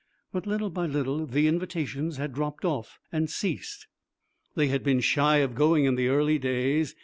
But little by little the invitations had dropped off and ceased. They had been shy of going in the early days.